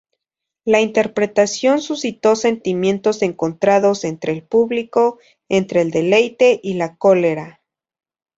La interpretación suscitó sentimientos encontrados entre el público, entre el deleite y la cólera.